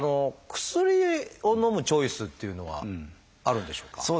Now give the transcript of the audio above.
薬をのむチョイスっていうのはあるんでしょうか？